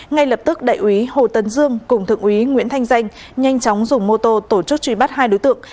ngay lập tức đại úy hồ tấn dương cùng thượng úy nguyễn thanh danh nhanh chóng dùng mô tô tổ chức truy bắt hai đối tượng